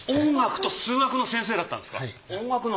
音楽と数学の先生だったんですか。